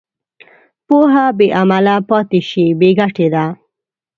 پوهه بېعمله پاتې شي، بېګټې ده.